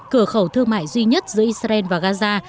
cửa khẩu thương mại duy nhất giữa israel và gaza